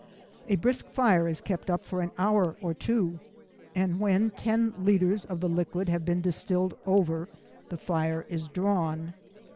A brisk fire is kept up for an hour or two, and when ten litres of the liquid have distilled over, the fire is drawn.